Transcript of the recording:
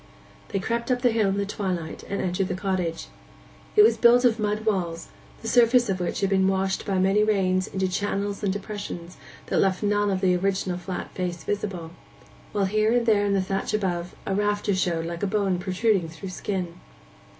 They crept up the hill in the twilight, and entered the cottage. It was built of mud walls, the surface of which had been washed by many rains into channels and depressions that left none of the original flat face visible; while here and there in the thatch above a rafter showed like a bone protruding through the skin.